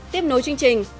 tiếp nối chương trình